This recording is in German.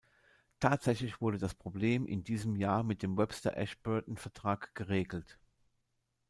Tatsächlich wurde das Problem in diesem Jahr mit dem Webster-Ashburton-Vertrag geregelt.